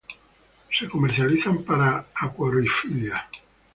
Se comercializan para acuariofilia.